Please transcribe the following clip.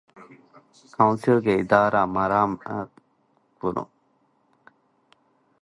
ކައުންސިލްގެ އިދާރާ މަރާމާތުކުރުން